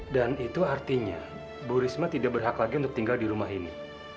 dan itu artinya bu risma tidak berhak lagi untuk tinggal di rumah ini